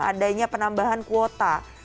andainya penambahan kuota